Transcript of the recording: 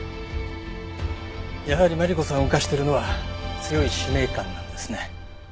やはりマリコさんを動かしているのは強い使命感なんですね。